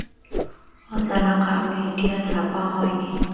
অজানা কারণে এটি আর ছাপা হয়নি।